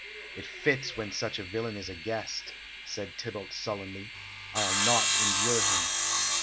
"It fits when such a villain is a guest," said Tybalt sullenly. "I'll not endure him!"